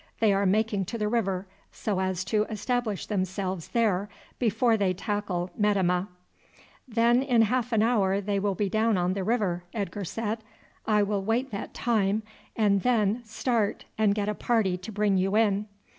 They are making to the river, so as to establish themselves there before they tackle Metemmeh." "Then in half an hour they will be down on the river," Edgar said. "I will wait that time, and then start and get a party to bring you in."